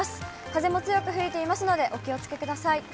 風も強く吹いていますので、お気をつけください。